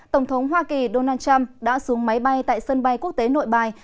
tổng thống hoa kỳ donald trump đã xuống máy bay tại sân bay quốc tế nội bài